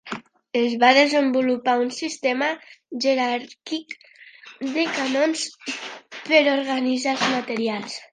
Es va desenvolupar un sistema jeràrquic de canons per organitzar els materials.